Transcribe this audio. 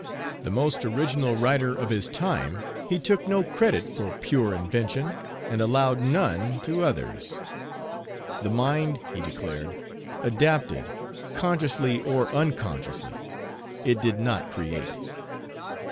The most original writer of his time, he took no credit for pure invention and allowed none to others. The mind, he declared, adapted, consciously or unconsciously; it did not create.